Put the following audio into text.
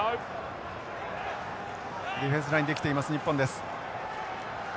ディフェンスライン出来ています日本です。